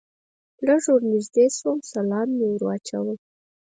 لږ ور نږدې شوم سلام مې واچاوه.